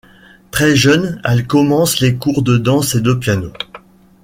Très jeune, elle commence les cours de danse et de piano.